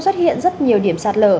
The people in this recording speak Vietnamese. xuất hiện rất nhiều điểm sạt lở